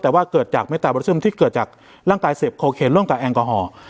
แต่ว่าเกิดจากเมตตาบริซึมที่เกิดจากร่างกายเสพโคเคนร่วมกับแอลกอฮอล์